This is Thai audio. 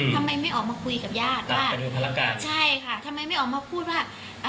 ทำไมไม่ออกมาคุยกับญาติว่าใช่ค่ะทำไมไม่ออกมาพูดว่าอ่า